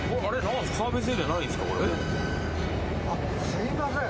すいません。